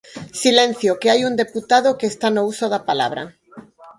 Silencio, que hai un deputado que está no uso da palabra.